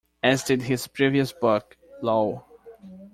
As did his previous book, Lo!